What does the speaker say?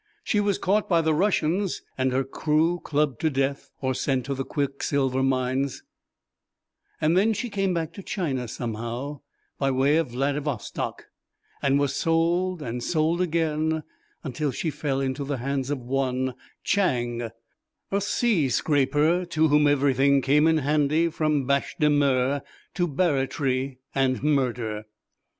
She was caught by the Russians and her crew clubbed to death or sent to the quicksilver mines and then she came back to China, somehow, by way of Vladivostok and was sold and sold again till she fell into the hands of one, Chang, a sea scraper to whom everything came in handy from bêche de mer to barratry and murder.